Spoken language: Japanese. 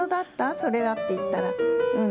それはって言ったら、うん、